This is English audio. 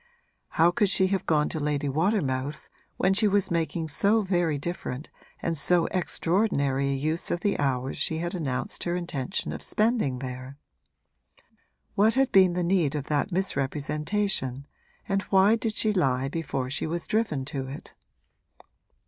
How could she have gone to Lady Watermouth's when she was making so very different and so extraordinary a use of the hours she had announced her intention of spending there? What had been the need of that misrepresentation and why did she lie before she was driven to it?